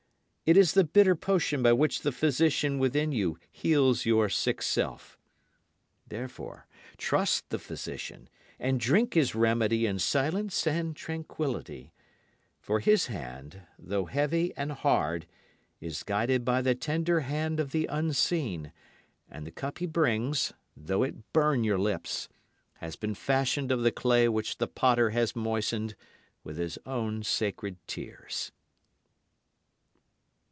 It is the bitter potion by which the physician within you heals your sick self. Therefore trust the physician, and drink his remedy in silence and tranquillity: For his hand, though heavy and hard, is guided by the tender hand of the Unseen, And the cup he brings, though it burn your lips, has been fashioned of the clay which the Potter has moistened with His own sacred tears.